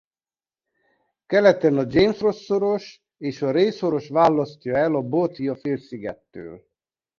Keleten a James Ross-szoros és a Rae-szoros választja el a Boothia-félszigettől.